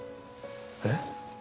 えっ？